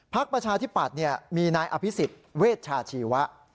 พักประชาธิปัตย์เนี่ยมีนายอภิษฐ์เวชชาชีวะ